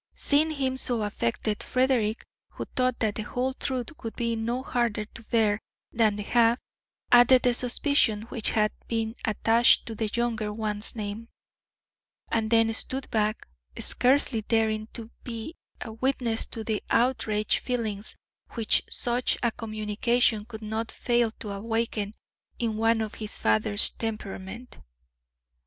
Seeing him so affected, Frederick, who thought that the whole truth would be no harder to bear than the half, added the suspicion which had been attached to the younger one's name, and then stood back, scarcely daring to be a witness to the outraged feelings which such a communication could not fail to awaken in one of his father's temperament.